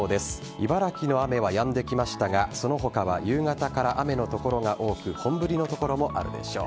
茨城の雨はやんできましたがその他は、夕方から雨の所が多く本降りの所もあるでしょう。